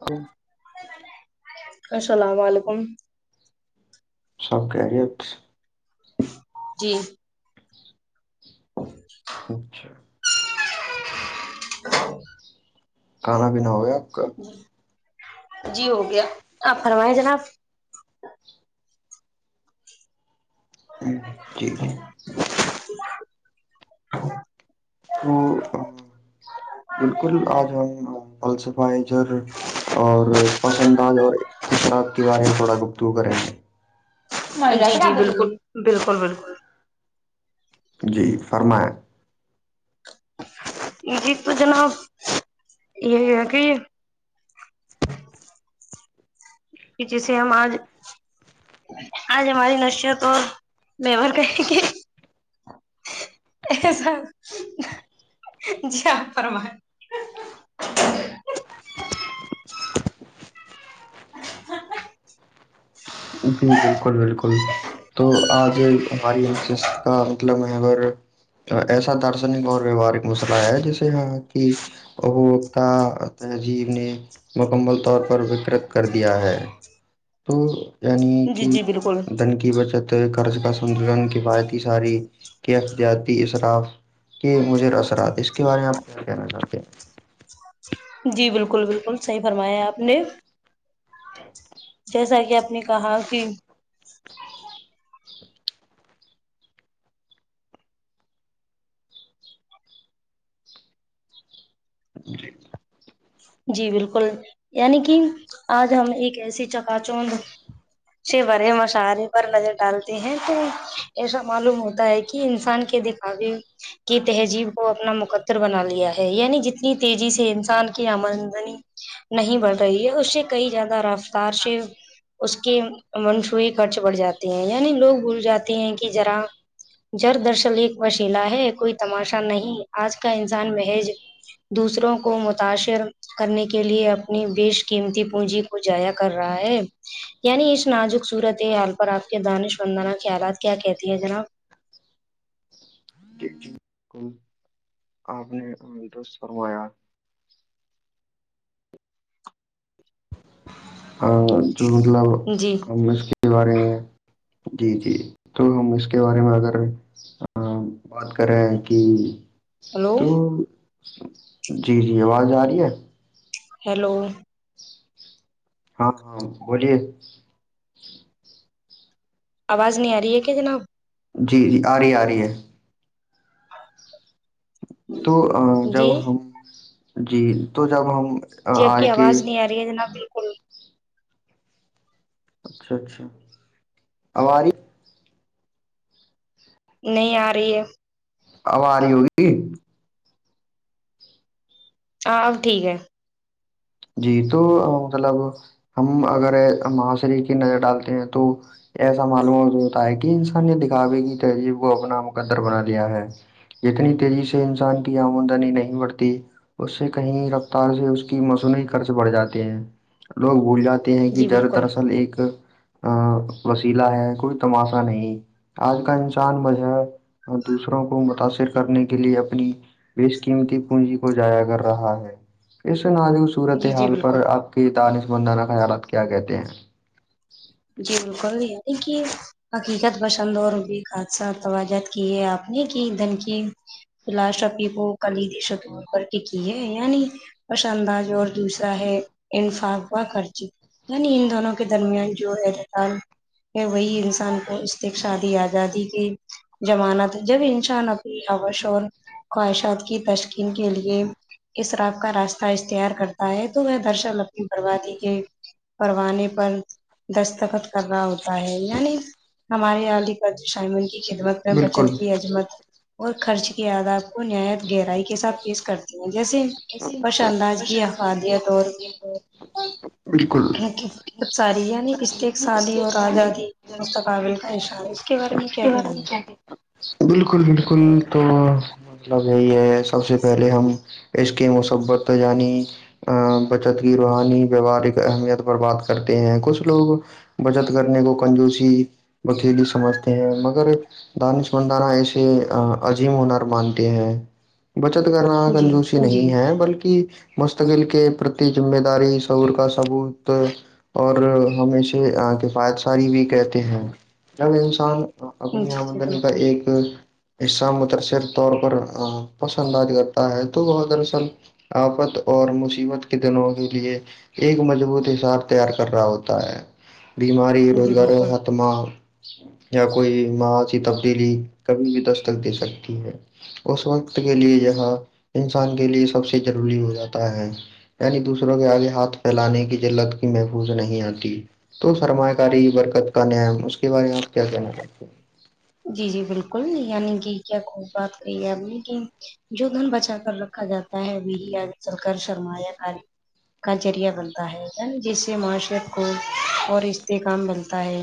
ہ السلام علیکم سب کیرییت جی اچ اچھا کھانا پینا ہو گیا کا جی ہو گیا آپ فرمائیں جناب جی جی تو بالکل آج ہم فسفا اجر اور پساز اور اسر آپ کے بارے میں تھوڑا گپتگو کریں گے جی بالکل بالکل بالکل جی فرمائیں یہ جی تو جناب یہ ہے کہ یہ کہ جیسے ہم آج آج ہماری نشیا تو وار کرتی کی ایسا جی فرمان جی بالکل بالکل تو آج ہماری ان شست کا مطلب ایسا دارشنک اور ویوارک مسئلہ ہے جیسے ہاں کہ ایک جیب نے مکمل طور پر وکرت کر دیا ہے تو یعنی جی کہ جی بالکل دن کی بچت قرض کا ستلن کفایتی ساری کے اختیاتی اراف کہ مجھے اثرات اس کے بارے میں آپ کیا کہنا چاہتے ہیں جی بالکل بالکل صحیح فرمایا آپ نے جیسا کہ آپ نے کہا کہ ا جی جی بالکل یعنی کہ آج ہم ایک ایسی چکا چوند بھرے مشاہرے پر نظر ڈالتے ہیں تو ایسا معلوم ہوتا ہے کہ انسان کے ا کی تہذیب کو اپنا مقدر بنا لیا ہے یعنی جتنی تیزی سے انسان کی عمل دنی نہیں بڑھ رہی ہے اس سے کئی زیادہ رفتار سے اس کی منسوئیی خرچ بڑھ جاتی ہیں یعنی لوگ بھول جاتے ہیں کہ ذرا جر درصل ایک وشیلا ہے کوئی تماشا نہیں آج کا انسان مہیج دوسروں کو متاثر کرنے کے لیے اپنی بیش قیمتی پونجی کو جضایا کر رہا ہے یعنی اس نازک صورت حال پر آپ کے دانش وندناہ کے حالات کیا کہتی ہے جناب ٹیک جی بالکل آپ نے انست فروایا جو مطلب جی ہم اس کے بارے میں جی جی تو ہم اس کے بارے میں اگر بات کر رہا ہیں کہ ہلو تو جی جی آواز آ رہی ہے ہیلو ہاں ہاں بولیے آواز نہیں آ رہی ہے کیا جناب جی جی آ رہی ہے آ رہی ہے تو جی جب ہم جی تو جب ہم جی آب کی آج کے آواز نہیں آ رہی ہے جناب اچھا اچھا آاری نہیں آ رہی ہے آواریی ہوگی [unintelligible] جی تو مطلب ہم اگر ماشری کی نظر ڈالتے ہیں تو ایسا معلومات ہوتا ہے کہ انسان نے دکھاوے کی تہذیب کو اپنا مقدر بنا دیا ہے جتنی تیزی سے انسان کی آمدنی نہیں بڑھتی اس سے کہیں رفتار سے اس کی خرچ بڑھ جاتے ہیں لوگ بھول جاتے ہیں کہ جی جر بالکل دراصل ایک اوسیلا ہے کوئی تماشا نہیں آج کا انسان مجہ دوسروں کو متاثر کرنے کے لیے اپنی اس قیمتی پونجی کو جایا کر رہا ہے اس نالی اس صورت جی جی حال بالکل پر آپ کی طانف مندانہ خیالات کیا کہتے ہیں جی بک رہ ہے ایک کہ حقیقت بسند اور بھی حادثہ توجہ کی ہے آپ نے کہ دھن کی فلشاپی وہ کلی دیشور پر کہ کی ہے یع نہیں پش انداز اور دوسرا ہے انفاقا خرچی یعنی ان دونوں کے درمیان جو اتال ہے وہی انسان کو استک شادی آزادی کے جمانت جب انسان اپنی آوش اور خواہشات کی تشکین کے لیے اس رااب کا راستہ اشتہار کرتا ہے تو وہ درشن اپنی بربادی کے پروانے پر دستخط کر رہا ہوتا ہے یعنی ہمارے عال شائمن کی خدمت میں بالکل بچت کی عجمت اور خرچ کی آداب کو نایت گہرائی کے ساتھ پیش کرتی ہیں جیسے خوش انداز کی افادیت [inaudible] [inaudible] استق سالی اور آزادی مستقابل کا اشارہ ہے اس کے بارے میں کیا جان ہے بالکل بالکل تو مطلب یہی ہے سب سے پہلے ہم اس کے موسم پر بچت کی روحانی ویوہارک اہمیت برباد کرتے ہیں کچھ لوگ بچت کرنے کو کنجوسی بکھیلی سمجھتے ہیں مگر دانش مندانا ایسے عجیم ہنر مانتے ہیں بچت کرنا جی کنجوسی نہیں ہے بلکہ مستقل کے پرتی ذمہ داری سعور کا ثبوت اور ہمیشے کفایت ساری بھی کہتے ہیں جب انسان اپنی جی جی آمدنی کا بالکل ایک حصہ متاثر طور پر پسند کرتا ہے تو وہ درصل آپت اور مصیبت کے دنوں کے لیے ایک مضبوط حساب تیار کر رہا ہوتا ہے بیماری جی روزگاروں بالکل استمال یا کوئی ما سی تبدیلی کبھی بھی دستک دے سکتی ہے اس وقت کے لیے جاں انسان کے لیے سب سے ضروری ہو جاتا ہے یعنی دوسروں کے آگے ہاتھ پھیلانے کی جلت کی محفوظ نہیں آتی تو سرمایہ کاری برکت کا نم اس کے بارے میں آپ کیا کہنا چاہتے ہیں جی جی بالکل یعنی کہ کیا خوب بات کری ہے آپ نے کہ جو دھن بچا کر رکھا جاتا ہے میری چل کر سرمایہ کاری کا ذریعہ بنتا ہے جس سے معاشرت کو اور استحکام ملتا ہے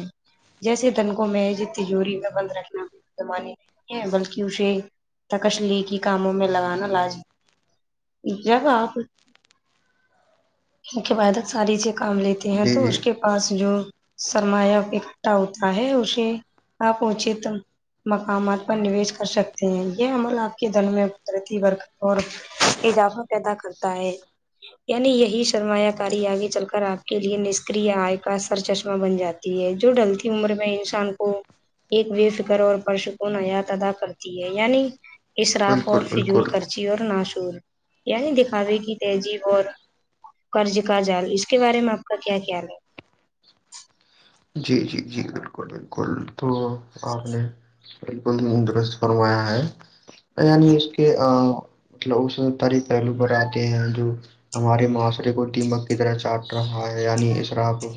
جیسے تنکوں میں تجوری میں بند رکھنا زم نہیں ہے بلکہ اسے تکشلی کی کاموں میں لگانا لج جگ آپ ان کے بعد ساری چیز کام لیتے ہیں جی تو جی اس کے پاس جو سرمایہ اکٹا ہوتا ہے اسے پہچے تو مقامات پر نوش کر سکتے ہیں یہ عمل آپ کے دن میں قدرتیور اور اضافہ پیدا کرتا ہے یعنی یہی شرمایہ کاری آگے چل کر آپ کے لئے نشکری آئے کا سر چشمہ بن جا ہے ہے جو ڈلتی عمر میں انسان کو ایک بے فکر اور پرش کو نیااد ادا کرتی ہے یعنی اراف اور بالکل فضول بالکل کرچ اور ناشور یعنی دکھاوے کی تہذیب اور کرج کا جال اس کے بارے میں آپ کا کیا خیال ہے جی جی جی بالکل بالکل تو آپ نے بالکل درست فرمایا ہے یعنی اس کے مطلب اس طارے پہلو پر آتے ہیں جو ہمارے معاشرے کو تمک کی طرح چاٹ رہا ہے یعنی اسرا کو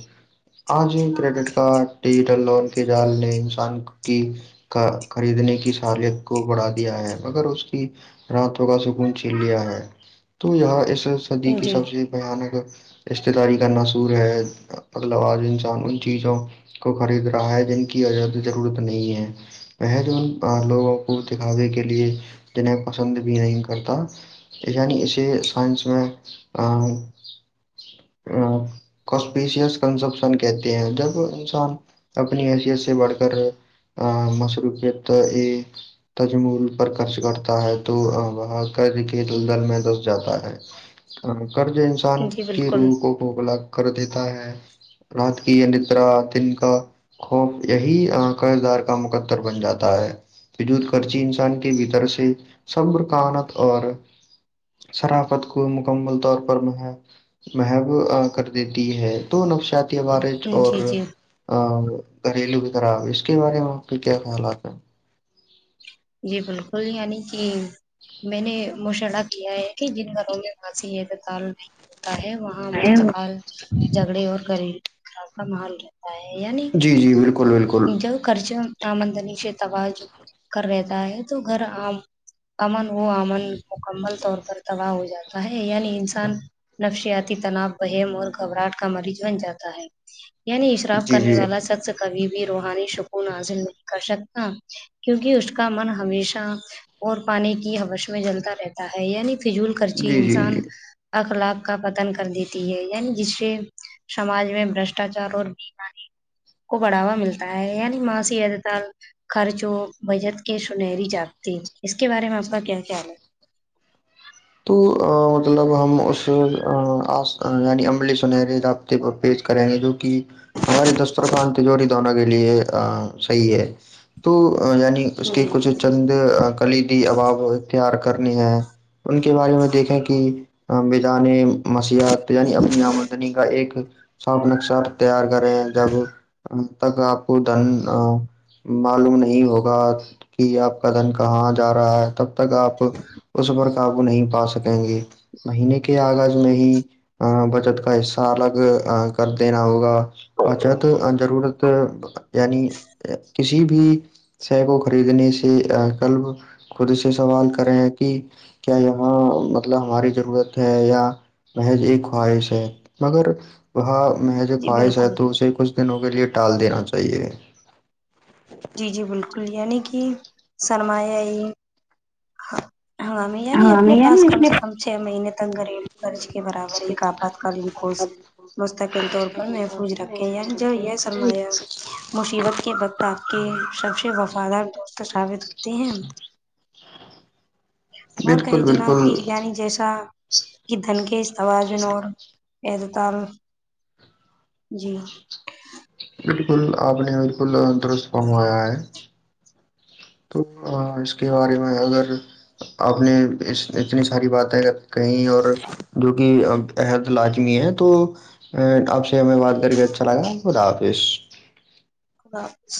آج کریڈٹ کارڈ ڈیجیٹل لون کے جال نے انسان کی کا خریدنے کی سالت کو بڑھا دیا ہے مگر اس کی راتوں کا سکون چھی لیا ہے تو یہاں اس دی ہے کی جی سب سے بانک رشتداری کاناصور ہے ادلواج انسان ان چیزوں کو خرید رہا ہے جن کی آد ضرورت نہیں ہے وہ جو لوگوں کو دکھاوے کے لیے جنیں پسند بھی نہیں کرتا نی ایسے سائنس میں کسپیشس کنزپشن کیا ہیں جب انسان اپنی حیثیت سے بڑھ کر مصرو کیتت یہ تجمول پر خرچ کٹتا ہے تو وہ کر کے دلدل میں دس جاتا ہے قض انسان جی کی بالکل رووں کو بلا کر دیتا ہے تران کا خوف یہی کردار کا مقدر بن جاتا ہے وجود خچی انسان کے بھیتر سے صبر کانت اور صرافت کو مکمل طور پر میں ہے محب کر دیتی ہے تو نفشات کے بار اور جی جی گھریلو بھی طراب اس کے بارے میں آپ کے کیا خیالات ہیں جی بالکل نہیںی عنی کہ میں نے مشورہ کیا ہے کہ جن گھروں میں باسی ہےتکال ہوتا ہے وہاں مستقال جھگڑے اور گریر کا ماحول رہتا جی جی بالکل بالکل خرچ آامدنی شتواہج کر رہتا ہے تو گھر آام امن و امن مکمل طور پر تباہ ہو جاتا ہے یعنی انسان نفسیاتی تناؤ بہم اور گھبراہٹ کا مریض بن جاتا ہے یعنی اشراف جی جی کرنے والا شخص کبھی بھی روحانی سکون حازل نہیں کر سکتا کیونکہ اس کا من ہمیشہ اور پانی کی ہش میں جلتا رہتا ہے یعنی فضول خرچی جی جی انسان جی اخلاق کا پتن کر دیتی ہے یعنی جس سے سماج میں بشٹاچار اور بانی کو بڑھاوا ملتا ہے یعنی ماسیدتال خرچوں بجت کے سنہری جگتی اس کے بارے میں آپ کا کیا خیال ہے تو مطلب ہم اس یعنی عملی سنہرے رابطے پر پیچ کریں گے جو کہ ہماراری دسترخوان تجوری دوروں کے لیے صحیح ہے تو یعنی اس ہے کے جی کچھ چند کلیدی اباب اختیار کرنے ہیں ان کے بارے میں دیکھیں کہ میدان مسیحت یعنی اپنی آمد کا ایک ساپ نقشا تار کرے ہیں جب ات کا آپ دن معلوم نہیں ہوگا کہ آپ کا دن کہاں جا رہا ہے تب تک آپ اس پر قابو نہیں پا سکیں گے مہینے کے آغاز میں ہی بچت کا حصہ الگ کر دینا ہوگا اچھا تو ضرورت یعنی کسی بھی سے کو خریدنے سے کلب خود سے سوال کرے ہیں کہ کیا یہاں مطلب ہماری ضرورت ہے یا محض ایک خواہش ہے مگر وہاں م جوے جی خواہش ہے بالکل تو اسے کچھ دنوں کے لیے ٹال دینا چاہیے جی جی بالکل یعنی کہ سرمایہ ہاں ہنگامی یعنی اپنے پاس کم سے کم چھ مہینے تک گھریلو خرچ کے برابر ہی ایک آپات کالین کوس مستقل طور پر محفوظ رکھے ہیں جو یہ سرمایہ مصیبت کے وقت آپ کے سب سے وفادار دوست ثابت ہوتے ہیں اور بالکل کہیں جناب بالکل کی یعنی جیسا کہ دھن کے استوجن اور تال جی بالکل آپ نے بالکل درست منگوایا ہے تو اس کے بارے میں اگر آپ نے اتنی ساری باتیں کہیں اور جو کہ احد لازمی ہے تو آپ سے ہمیں بات کر کے اچھا لگا خدا حافظ خ